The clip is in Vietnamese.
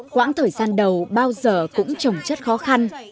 quãng thời gian đầu bao giờ cũng trồng chất khó khăn